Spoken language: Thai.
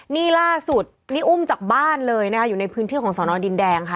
นี่ล่าสุดนี่อุ้มจากบ้านเลยนะคะอยู่ในพื้นที่ของสอนอดินแดงค่ะ